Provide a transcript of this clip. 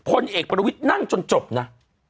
พลเอกประวิทย์นั่งจนจบนะ